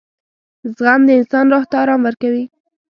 • زغم د انسان روح ته آرام ورکوي.